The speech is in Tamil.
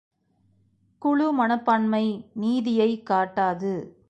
குழு மனப்பான்மை நீதியைக் காட்டாது.